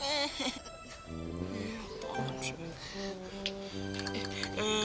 ya ampun semoga